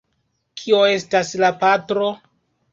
Kio estas la patro?